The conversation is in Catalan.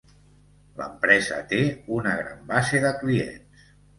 L'empresa té una gran base de clients.